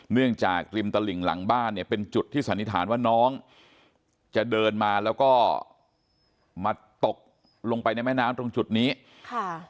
เนื่องจากริมตลิ่งหลังบ้านเนี่ยเป็นจุดที่สันนิษฐานว่าน้องจะเดินมาแล้วก็มาตกลงไปในแม่น้ำตรงจุดนี้ค่ะ